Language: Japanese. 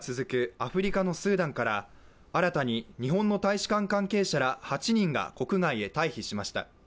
アフリカのスーダンから新たに日本の大使館関係者ら８人が国外へ退避しました。